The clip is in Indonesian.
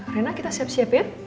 rena kita siap siap ya